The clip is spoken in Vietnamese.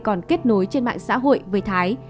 còn kết nối trên mạng xã hội với thái